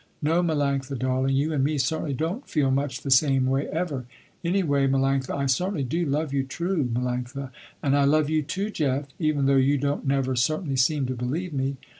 No Melanctha darling, you and me certainly don't feel much the same way ever. Any way Melanctha, I certainly do love you true Melanctha." "And I love you too Jeff, even though you don't never certainly seem to believe me."